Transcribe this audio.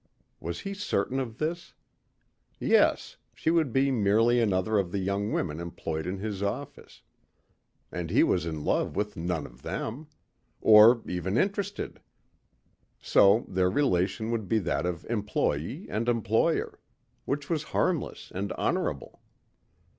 Was he certain of this? Yes, she would be merely another of the young women employed in his office. And he was in love with none of them. Or even interested. So their relation would be that of employee and employer. Which was harmless and honorable.